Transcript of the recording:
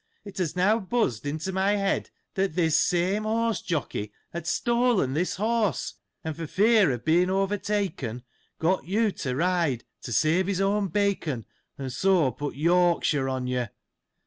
It has now buzzed into my head, that this same horse jockey had stolen this horse, and for fear of being overtaken, got you to ride, to save his own bacon, and so put Yorkshire on you.